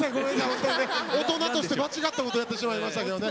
本当にね大人として間違ったことやってしまいましたけどね。